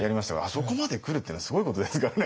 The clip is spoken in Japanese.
あそこまで来るっていうのはすごいことですからね